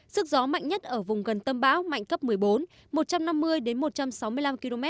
sức gió mạnh nhất ở vùng gần tâm bão mạnh cấp một mươi bốn một trăm năm mươi một trăm sáu mươi năm km